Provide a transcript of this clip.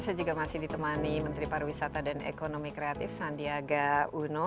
saya juga masih ditemani menteri pariwisata dan ekonomi kreatif sandiaga uno